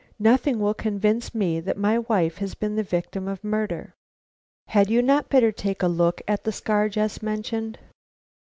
Nothing will convince me that my wife has been the victim of murder." "Had you not better take a look at the scar just mentioned?"